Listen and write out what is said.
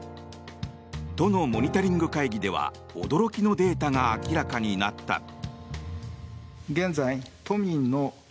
都のモニタリング会議では驚きのデータが明らかになった。